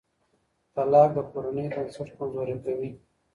طلاق د کورنۍ بنسټ کمزوری کوي.